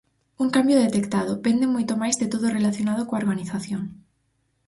Un cambio detectado: venden moito máis de todo o relacionado coa organización.